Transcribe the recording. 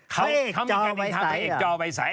ของเขายังไม่หายวิทักษณ์เอกจอวัยไสฟน์